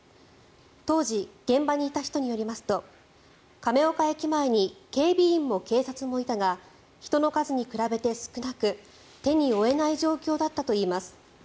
当時、現場にいた人によりますと亀岡駅前に警備員も警察もいたが人の数に比べて少なく手に負えない状況だったといいます。